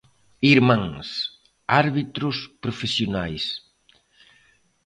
Irmáns, árbitros profesionais.